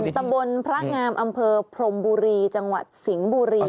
ตำบลพระงามอำเภอพรมบุรีจังหวัดสิงห์บุรี